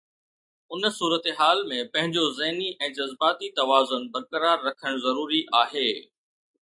ان صورتحال ۾ پنهنجو ذهني ۽ جذباتي توازن برقرار رکڻ ضروري آهي.